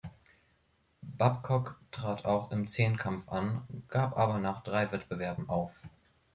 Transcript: Babcock trat auch im Zehnkampf an, gab aber nach drei Wettbewerben auf.